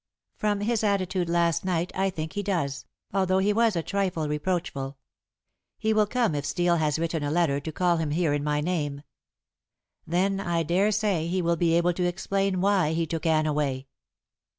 "From his attitude last night I think he does, although he was a trifle reproachful. He will come if Steel has written a letter to call him here in my name. Then I daresay he will be able to explain why he took Anne away."